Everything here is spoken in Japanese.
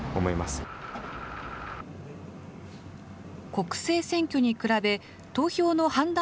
国政選挙に比べ、投票の判断